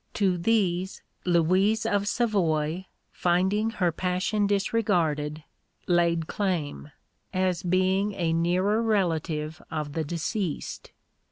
To these Louise of Savoy, finding her passion disregarded, laid claim, as being a nearer relative of the deceased.